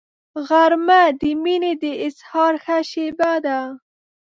غرمه د مینې د اظهار ښه شیبه ده